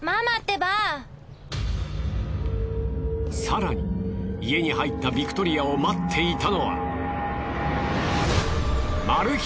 更に家に入ったビクトリアを待っていたのはマル秘